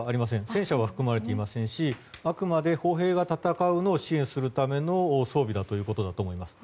戦車は含まれていませんしあくまで歩兵が戦うのを支援するための装備だということだと思います。